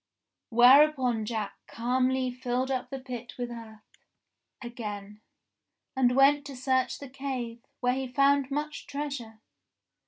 Whereupon Jack calmly filled up the pit with earth 8o ENGLISH FAIRY TALES again and went to search the cave, where he found much treasure.